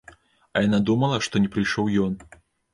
А яна думала, што не прыйшоў ён.